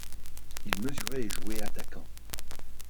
Il mesurait et jouait attaquant.